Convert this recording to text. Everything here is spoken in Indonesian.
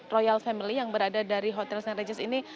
royal family yang berada dari hotel st regis ini